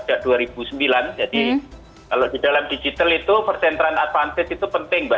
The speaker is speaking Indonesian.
jadi kalau di dalam digital itu persentralan advance itu penting mbak